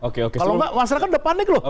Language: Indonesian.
kalau nggak masyarakat udah panik loh